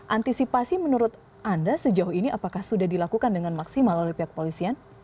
antisipasi menurut anda sejauh ini apakah sudah dilakukan dengan maksimal oleh pihak polisian